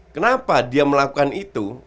kenapa dia melakukan itu